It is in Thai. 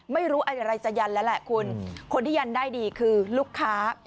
ไม่รู้อะไรจะยันแล้วแหละคุณคนที่ยันได้ดีคือลูกค้า